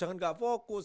jangan gak fokus